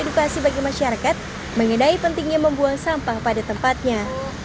edukasi bagi masyarakat mengenai pentingnya membuang sampah pada tempatnya